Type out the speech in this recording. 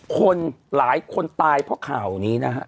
คนหลายคนตายเพราะข่าวนี้นะฮะ